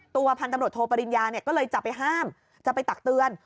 พันธุ์ตำรวจโทปริญญาเนี่ยก็เลยจะไปห้ามจะไปตักเตือน